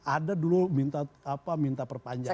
ada dulu minta apa minta perpanjangan